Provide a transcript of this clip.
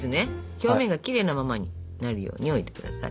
表面がきれいなままになるように置いてください。